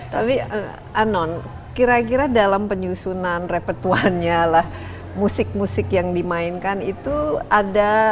tapi anon kira kira dalam penyusunan repertuannya lah musik musik yang dimainkan itu ada